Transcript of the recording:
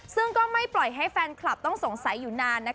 ซึ่งก็ไม่ปล่อยให้แฟนคลับต้องสงสัยอยู่นาน